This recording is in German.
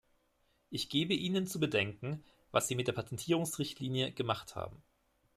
Ich gebe Ihnen zu bedenken, was Sie mit der Patentierungsrichtlinie gemacht haben.